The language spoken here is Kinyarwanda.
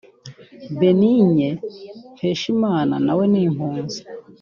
Benigne Mpeshimana nawe w’impunzi